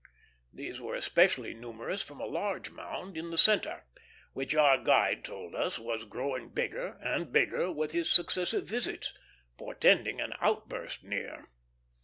These were especially numerous from a large mound in the centre, which our guide told us was growing bigger and bigger with his successive visits, portending an outburst near.